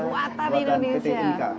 buatan pt ink